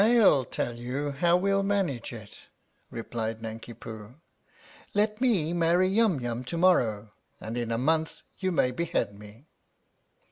"I'll tell you how we'll manage it," replied Nanki Poo. " Let me marry Yum Yum to morrow and in a month you may behead me."